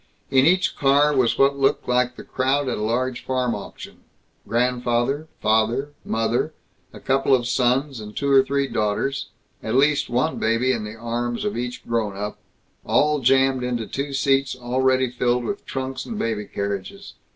In each car was what looked like the crowd at a large farm auction grandfather, father, mother, a couple of sons and two or three daughters, at least one baby in the arms of each grown up, all jammed into two seats already filled with trunks and baby carriages.